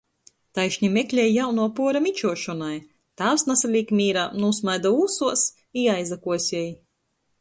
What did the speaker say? Taišni meklej jaunuo puora mičuošonai, tāvs nasalīk mīrā, nūsmaida ūsuos i aizakuosej.